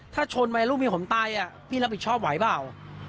ถ้าชนไหมลูกเมียผมตายพี่รับผิดชอบไหวเปล่า